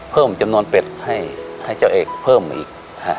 เพิ่มจำนวนเป็ดให้เจ้าเอกเพิ่มมาอีก